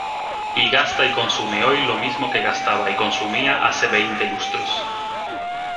Y gasta y consume hoy lo mismo que gastaba y consumía hace veinte lustros.